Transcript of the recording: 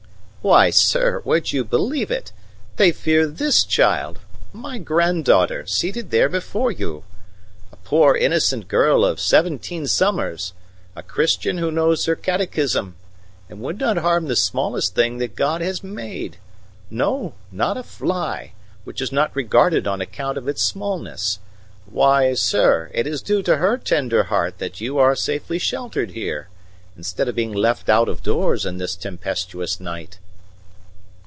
"Why, sir, would you believe it? They fear this child my granddaughter, seated there before you. A poor innocent girl of seventeen summers, a Christian who knows her Catechism, and would not harm the smallest thing that God has made no, not a fly, which is not regarded on account of its smallness. Why, sir, it is due to her tender heart that you are safely sheltered here, instead of being left out of doors in this tempestuous night."